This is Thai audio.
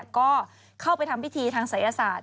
ก็เข้าไปทำพิธีทางศัยศาสตร์